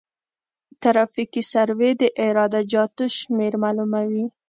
ترافیکي سروې د عراده جاتو شمېر معلوموي